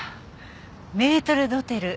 メートル・ドテル？